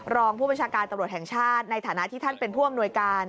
รองผู้บัญชาการตำรวจแห่งชาติในฐานะที่ท่านเป็นผู้อำนวยการ